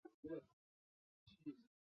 已实施住居表示。